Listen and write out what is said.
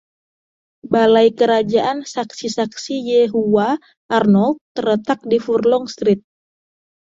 Balai Kerajaan Saksi-Saksi Yehuwa Arnold terletak di Furlong Street.